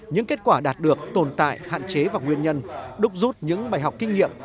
những kết quả đạt được tồn tại hạn chế và nguyên nhân đúc rút những bài học kinh nghiệm